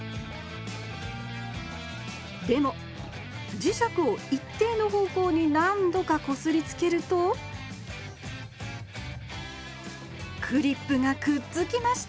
でも磁石を一定の方向に何度かこすりつけるとクリップがくっつきました。